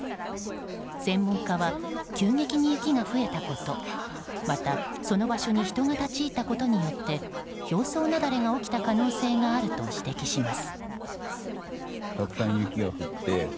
専門家は、急激に雪が増えたことまた、その場所に人が立ち入ったことによって表層雪崩が起きた可能性があると指摘します。